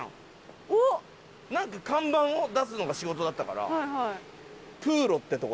何か看板を出すのが仕事だったから。